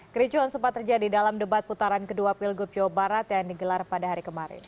kericuan sempat terjadi dalam debat putaran kedua pilgub jawa barat yang digelar pada hari kemarin